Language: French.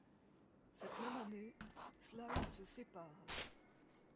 Cette même année, Sly se sépare.